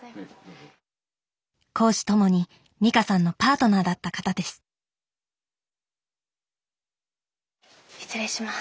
公私ともに美香さんのパートナーだった方です失礼します。